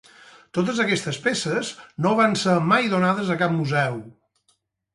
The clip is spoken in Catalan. Totes aquestes peces no van ser mai donades a cap museu.